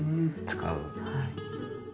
使う。